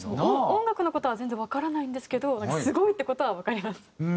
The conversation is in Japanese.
音楽の事は全然わからないんですけどすごいって事はわかります。